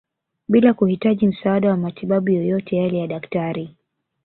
Bila kuhitaji msaada wa matibabu yeyote yale ya Daktari